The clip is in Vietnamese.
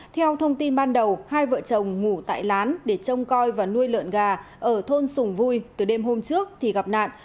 theo thông tin ban đầu hai vợ chồng ngủ tại lán để trông coi và nuôi lợn gà ở thôn sùng vui từ đêm hôm trước thì gặp nạn